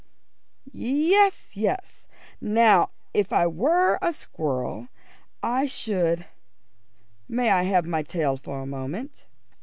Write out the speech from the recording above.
"Yes yes. Now, if I were a squirrel. I should may I have my tail for a moment?"